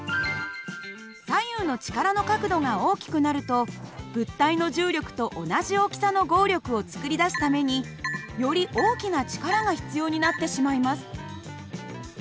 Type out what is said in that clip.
左右の力の角度が大きくなると物体の重力と同じ大きさの合力を作り出すためにより大きな力が必要になってしまいます。